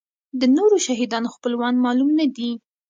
د نورو شهیدانو خپلوان معلوم نه دي.